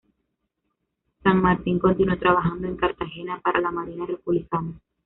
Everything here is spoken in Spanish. Sanmartín continuó trabajando en Cartagena para la Marina republicana.